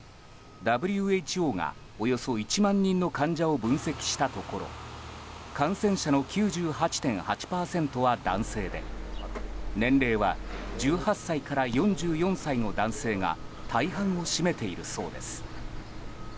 ＷＨＯが、およそ１万人の患者を分析したところ感染者の９８．８％は男性で年齢は１８歳から４４歳の男性が大半を占めているそうです。